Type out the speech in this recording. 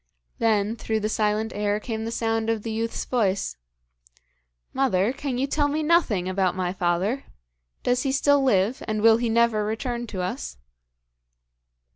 Then, through the silent air came the sound of the youth's voice: 'Mother, can you tell me nothing about my father? Does he still live, and will he never return to us?'